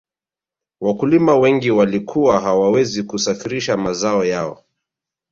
wakulima wengi walikuwa hawawezi kusafirisha mazao yao